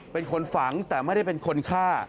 เป็นคนฝังแต่ไม่ได้เป็นคนฆ่า